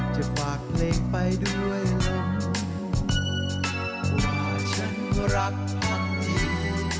จะฝากเพลงไปด้วยแล้วว่าฉันรักพักดี